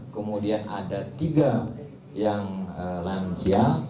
kemudian ada tiga yang lansia